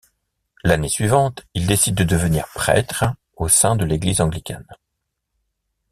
L'année suivante, il décide de devenir prêtre au sein de l'Église anglicane.